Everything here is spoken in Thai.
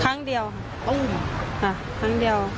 ครั้งเดียวค่ะครั้งเดียว